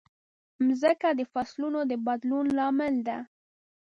مځکه د فصلونو د بدلون لامل ده.